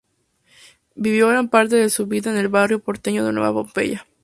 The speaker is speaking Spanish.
Vivió gran parte de su vida en el barrio porteño de Nueva Pompeya.